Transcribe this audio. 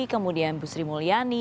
kemudian ibu sri mulyani